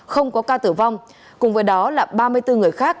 không có ca tử vong cùng với đó là ba mươi bốn người khác phải cấp cứu do chất nổ khác